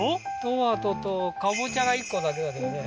トマトとかぼちゃが１個だけだけどね